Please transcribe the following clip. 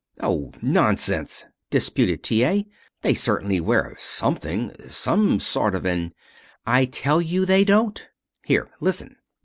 "Oh, nonsense!" disputed T. A. "They certainly wear something some sort of an " "I tell you they don't. Here. Listen.